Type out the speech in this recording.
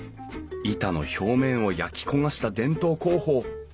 板の表面を焼き焦がした伝統工法。